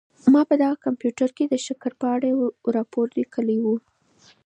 ما په دغه کمپیوټر کي د شکر په اړه یو راپور ولیکلی.